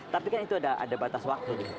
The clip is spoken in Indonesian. tapi kan itu ada batas waktu